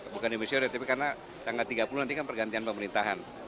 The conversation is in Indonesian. bukan dimisioner tapi karena tanggal tiga puluh nanti kan pergantian pemerintahan